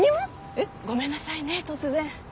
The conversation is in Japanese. ごめんなさいね突然。